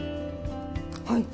はい。